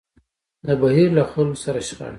د بهير له خلکو سره شخړه.